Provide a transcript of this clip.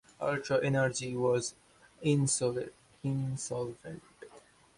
Ultra Energy was insolvent.